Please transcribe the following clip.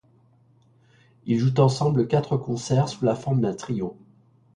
Ils jouent ensemble quatre concerts sous la forme d'un trio.